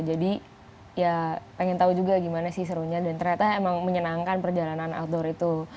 jadi ya pengen tahu juga gimana sih serunya dan ternyata emang menyenangkan perjalanan outdoor itu